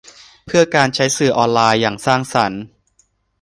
เพื่อการใช้สื่อออนไลน์อย่างสร้างสรรค์